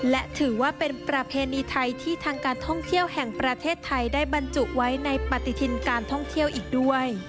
และถือว่าเป็นประเพณีไทยที่ทางการท่องเที่ยวแห่งประเทศไทยได้บรรจุไว้ในปฏิทินการท่องเที่ยวอีกด้วย